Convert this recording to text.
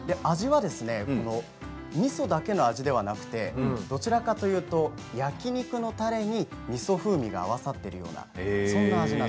味はみそだけの味ではなくてどちらかというと焼き肉のたれにみそ風味が合わさっているような